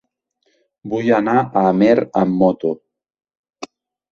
Vull anar a Amer amb moto.